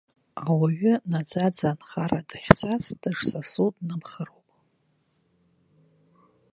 Ауаҩы наӡаӡа нхара дахьцаз дышсасу днымхароуп.